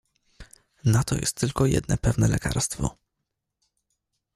"Na to jest tylko jedne pewne lekarstwo."